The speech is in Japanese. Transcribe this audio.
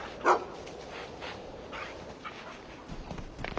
あっ。